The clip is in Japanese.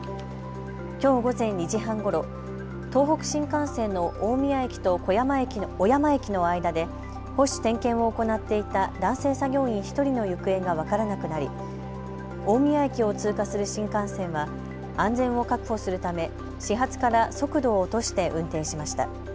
きょう午前２時半ごろ東北新幹線の大宮駅と小山駅の間で保守点検を行っていた男性作業員１人の行方が分からなくなり大宮駅を通過する新幹線は安全を確保するため始発から速度を落として運転しました。